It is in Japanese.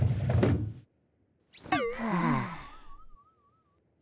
はあ。